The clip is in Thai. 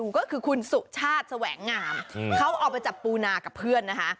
ก็คือคุณสุชาติแสวงงามเขาออกไปจับปูนากับเพื่อนนะคะ